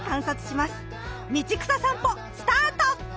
道草さんぽスタート。